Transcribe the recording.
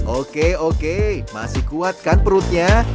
oke oke masih kuat kan perutnya